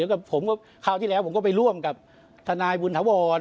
คราวที่แล้วผมก็ไปร่วมกับธนายบุญธวร